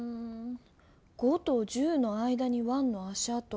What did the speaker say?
５と１０の間にワンの足あと。